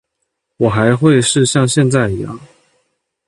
我还会是像现在一样